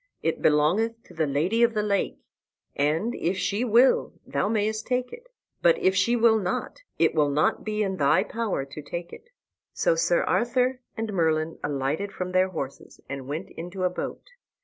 It belongeth to the Lady of the Lake, and, if she will, thou mayest take it; but if she will not, it will not be in thy power to take it." So Sir Arthur and Merlin alighted from their horses, and went into a boat.